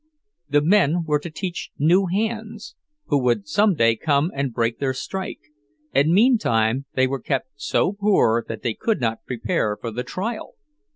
The men were to teach new hands, who would some day come and break their strike; and meantime they were kept so poor that they could not prepare for the trial!